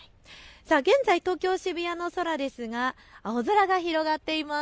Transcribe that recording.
現在、東京渋谷の空ですが青空が広がっています。